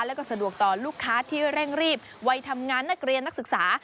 แล้วก็สะดวกต่อลูกค้าที่เร่งรีบวัยทำงานนักเรียนนักศึกษา